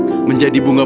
dan menunjukkan kepadanya